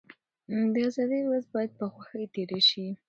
د ازادۍ ورځ بايد په خوښۍ تېره شي.